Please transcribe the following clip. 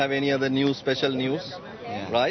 saya tidak memiliki berita khusus lain